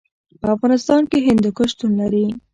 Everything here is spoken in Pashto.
په افغانستان کې هندوکش شتون لري.